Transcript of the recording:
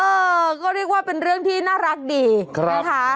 เออก็เรียกว่าเป็นเรื่องที่น่ารักดีนะคะ